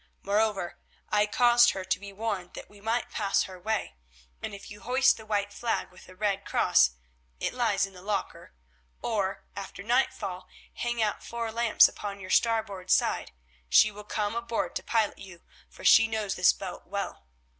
Moreover, I caused her to be warned that we might pass her way, and if you hoist the white flag with a red cross—it lies in the locker—or, after nightfall, hang out four lamps upon your starboard side, she will come aboard to pilot you, for she knows this boat well.